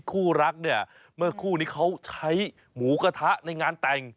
คู่รักเนี่ยเมื่อคู่นี้เขาใช้หมูกระทะในงานแต่ง